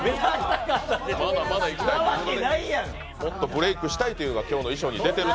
もっとブレイクしたいというのが今日の衣装に出ている。